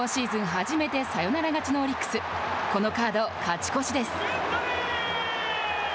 初めてサヨナラ勝ちのオリックスこのカード、勝ち越しです。